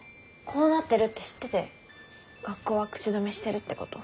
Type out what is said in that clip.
こうなってるって知ってて学校は口止めしてるってこと？